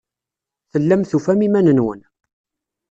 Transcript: Tellam tufam iman-nwen.